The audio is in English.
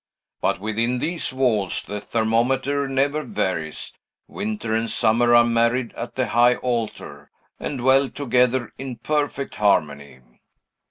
But within these walls, the thermometer never varies. Winter and summer are married at the high altar, and dwell together in perfect harmony."